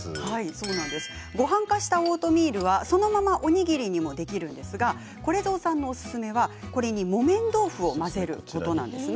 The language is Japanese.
ごはん化したオートミールはそのままおにぎりにもできるんですがこれぞうさんの、おすすめはこれに木綿豆腐を混ぜることなんです。